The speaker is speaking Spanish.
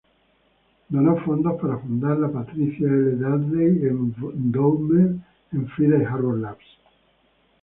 Donó fondos para fundar la Patricia L. Dudley Endowment en Friday Harbor Labs.